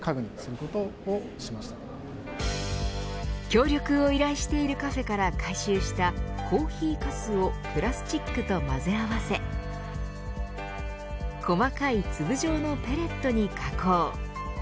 協力を依頼しているカフェから回収したコーヒーかすをプラスチックと混ぜ合わせ細かい粒状のペレットに加工。